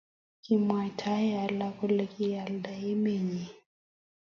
Kimwaitae alak kole kialda emennyi